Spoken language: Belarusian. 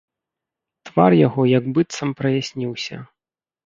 Твар яго як быццам праясніўся.